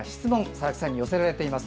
佐々木さんに寄せられています。